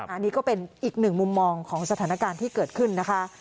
อันนี้ก็เป็นอีกหนึ่งมุมมองของสถานการณ์ที่เกิดขึ้นนะคะ